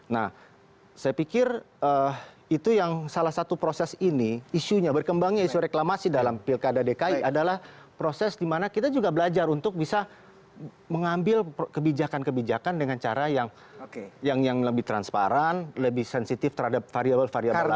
nah saya pikir itu yang salah satu proses ini isunya berkembangnya isu reklamasi dalam pilkada dki adalah proses di mana kita juga belajar untuk bisa mengambil kebijakan kebijakan dengan cara yang lebih transparan lebih sensitif terhadap variable variable